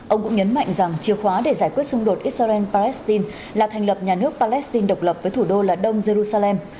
ông cũng nhấn mạnh rằng chìa khóa để giải quyết xung đột israel palestine là thành lập nhà nước palestine độc lập với thủ đô là đông jerusalem